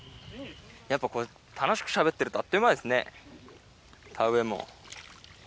やっぱ楽しくしゃべってるとあっという間ですね田植えも。